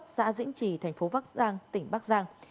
xã dĩnh trì tp bắc giang tỉnh bắc giang